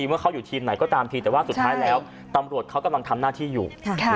ว่าเขาอยู่ทีมไหนก็ตามทีแต่ว่าสุดท้ายแล้วตำรวจเขากำลังทำหน้าที่อยู่